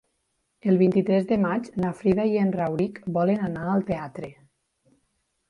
El vint-i-tres de maig na Frida i en Rauric volen anar al teatre.